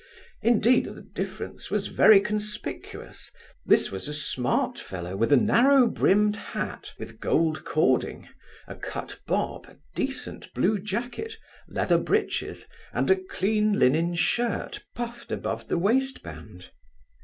Indeed, the difference was very conspicuous: this was a smart fellow, with a narrow brimmed hat, with gold cording, a cut bob, a decent blue jacket, leather breaches, and a clean linen shirt, puffed above the waist band.